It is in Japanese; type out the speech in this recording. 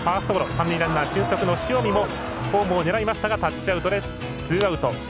三塁ランナー俊足の塩見もホームを狙いましたがタッチアウトでツーアウト。